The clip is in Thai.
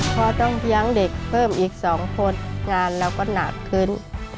พ่อต้องพย้างเด็กเพิ่มอีกสองคนงานแล้วก็หนาดขึ้น